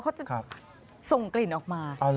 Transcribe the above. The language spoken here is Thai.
เขาจะส่งกลิ่นออกมา